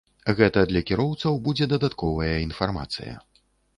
Гэта для кіроўцаў будзе дадатковая інфармацыя.